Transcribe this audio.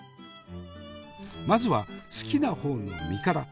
まずは好きな方の身から。